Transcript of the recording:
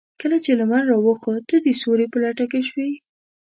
کله چې لمر راوخت تۀ د سيوري په لټه کې شوې.